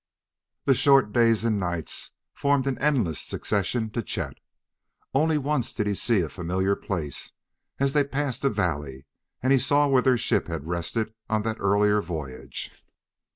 The short days and nights formed an endless succession to Chet. Only once did he see a familiar place, as they passed a valley and he saw where their ship had rested on that earlier voyage.